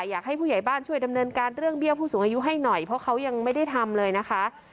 อยากให้ผู้ใหญ่บ้านช่วยดำเนินการเรื่องเบี้ยผู้สูงอายุให้หน่อยเพราะเขายังไม่ได้ทำเลยนะคะ